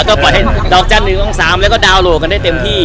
ก็ปล่อยให้ดอกจันทร์๑อง๓แล้วก็ดาวนโหลดกันได้เต็มที่